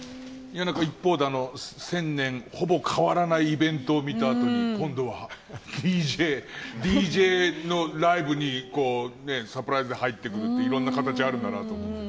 一方で１０００年ほぼ変わらないイベントを見たあとに今度はＤＪのライブにサプライズで入ってくるっていういろんな形があるんだなって。